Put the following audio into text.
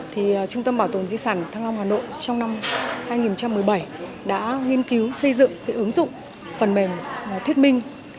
thì trung tâm bảo tồn di sản thăng long hà nội trong năm hai nghìn một mươi bảy đã nghiên cứu xây dựng cái ứng dụng phần mềm thuyết minh